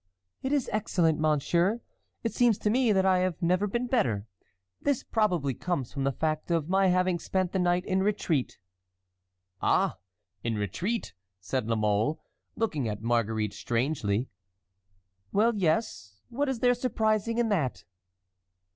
"It is excellent, monsieur; it seems to me that I have never been better. This probably comes from the fact of my having spent the night in retreat." "Ah! in retreat!" said La Mole, looking at Marguerite strangely. "Well, yes; what is there surprising in that?"